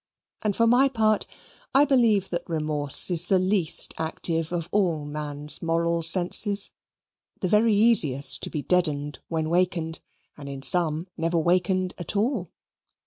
And for my part I believe that remorse is the least active of all a man's moral senses the very easiest to be deadened when wakened, and in some never wakened at all.